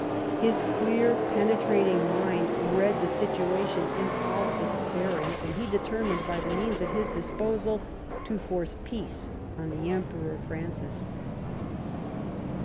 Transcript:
His clear, penetrating, mind read the situation in all its bearings, and he determined, by the means at his disposal, to force peace on the Emperor Francis.